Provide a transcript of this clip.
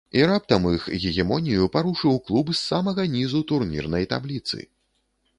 І раптам іх гегемонію парушыў клуб з самага нізу турнірнай табліцы.